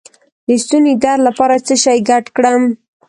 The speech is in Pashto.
د ستوني درد لپاره څه شی ګډ کړم؟